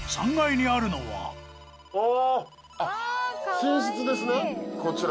寝室ですねこちら。